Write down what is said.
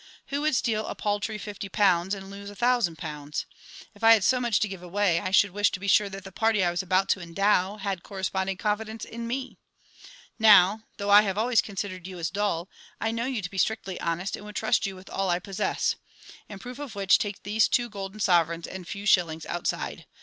Who would steal a paltry £50 and lose £1000? If I had so much to give away, I should wish to be sure that the party I was about to endow had corresponding confidence in me. Now, though I have always considered you as a dull, I know you to be strictly honest, and would trust you with all I possess. In proof of which, take these two golden sovereigns and few shillings outside.